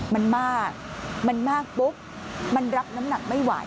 มันมากมันมากปุ๊บมันรับน้ำหนักไม่ไหว